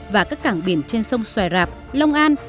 và các cảng biển trên sông xoài rạp long an